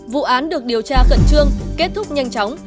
vụ án được điều tra khẩn trương kết thúc nhanh chóng